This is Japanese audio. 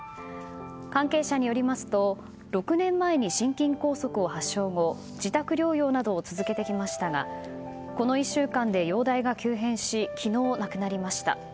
関係者によりますと６年前に心筋梗塞を発症後自宅療養などを続けてきましたがこの１週間で容体が急変し昨日亡くなりました。